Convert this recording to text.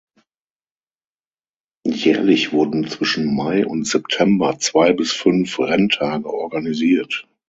Jährlich wurden zwischen Mai und September zwei bis fünf Renntage organisiert.